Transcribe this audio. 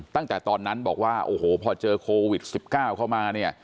ตั้งแต่ตอนนั้นบอกว่าโอ้โหพอเจอโควิด๑๙เข้ามาเนี่ย